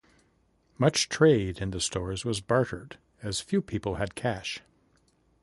Much trade in the stores was bartered, as few people had cash.